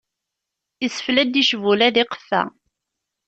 Isfel-d icbula d iqeffa.